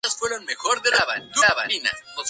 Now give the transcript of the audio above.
Hay áreas kársticas.